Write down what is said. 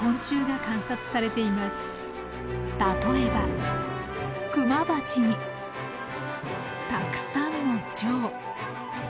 例えばクマバチにたくさんのチョウ。